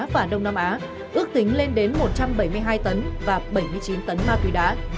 và đông nam á ước tính lên đến một trăm bảy mươi hai tấn và bảy mươi chín tấn ma túy đá